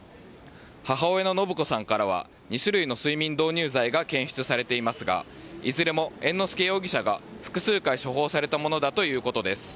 母親の延子さんからは２種類の睡眠導入剤が検出されていますがいずれも猿之助容疑者が複数回処方されたものだということです。